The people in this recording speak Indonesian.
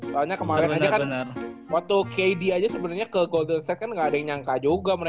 soalnya kemarin aja kan waktu kd aja sebenarnya ke golden state kan gak ada yang nyangka juga mereka